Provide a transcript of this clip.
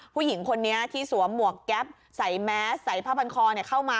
ผู้หญิงคนนี้ที่สวมหมวกแก๊ปใส่แมสใส่ผ้าพันคอเข้ามา